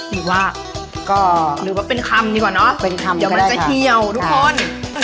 หรือว่าก็หรือว่าเป็นคำดีกว่าเนอะเป็นคำเดี๋ยวมันจะเหี่ยวทุกคน